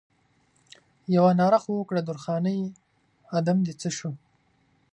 یوه ناره خو وکړه درخانۍ ادم دې څه شو؟